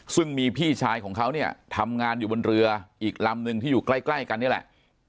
ซึ่งมีพี่ชายของเขาเนี่ยทำงานอยู่บนเรืออีกลำนึงที่อยู่ใกล้กันนี่แหละ